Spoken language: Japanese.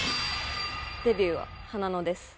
デビューははなのです。